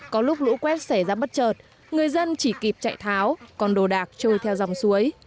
có lúc lũ quét xảy ra bất chợt người dân chỉ kịp chạy tháo còn đồ đạc trôi theo dòng suối